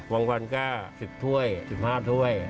วันก็๑๐ถ้วย๑๕ถ้วย